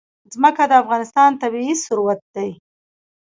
ځمکه د افغانستان طبعي ثروت دی.